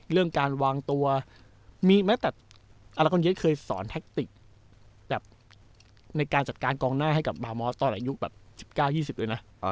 เรื่องการวางตัวอรักษณ์เย็นเคยสอนแทคติกในการจัดการกองหน้าให้กับลาม้อตอนอายุ๑๙๒๐เลยนะ